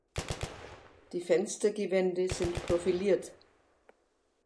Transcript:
Die Fenstergewände sind profiliert.